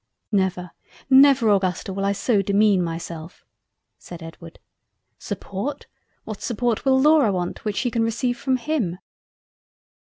"Never, never Augusta will I so demean myself. (said Edward). Support! What support will Laura want which she can receive from him?"